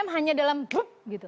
hanya dalam grup